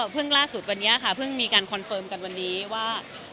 เพิ่งล่าสุดวันนี้ค่ะเพิ่งมีการกันวันนี้ว่า